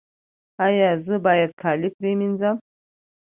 ایا زه باید کالي پریمنځم؟